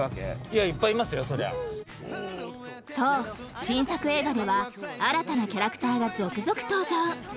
［そう新作映画では新たなキャラクターが続々登場］